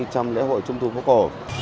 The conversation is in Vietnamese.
trong lễ hội trung thu phố cổ